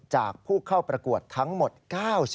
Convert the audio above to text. จากผู้เข้าประกวดทั้งหมด๙๒ประเทศ